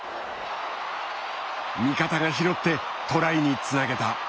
味方が拾ってトライにつなげた。